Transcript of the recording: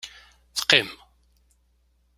Teqqim.